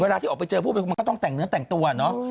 เวลาที่ออกไปเจอผู้เป็นมันก็ต้องแต่งเนื้อแต่งตัวเนาะ